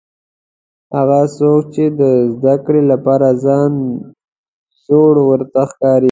هغه څوک چې د زده کړې لپاره ځان زوړ ورته ښکاري.